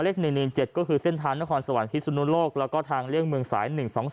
หลวง๑๑๗ก็คือเส้นทางงั้นคอนสาวนพิสุนุรกแล้วก็ทางเลี่ยงเมืองสาย๑๒๔๒